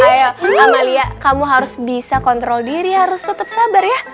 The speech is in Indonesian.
ayo amalia kamu harus bisa kontrol diri harus tetap sabar ya